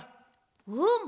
うん。